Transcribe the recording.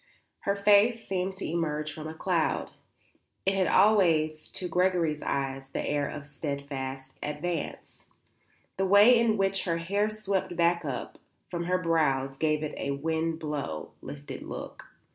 Her face seemed to emerge from a cloud. It had always to Gregory's eyes the air of steadfast advance; the way in which her hair swept back and up from her brows gave it a wind blown, lifted look.